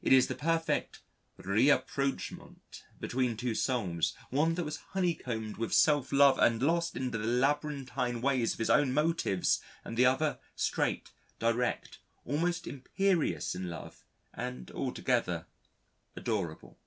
It is the perfect rapprochement between two souls, one that was honeycombed with self love and lost in the labyrinthine ways of his own motives and the other straight, direct, almost imperious in love and altogether adorable.